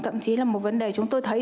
thậm chí là một vấn đề chúng tôi thấy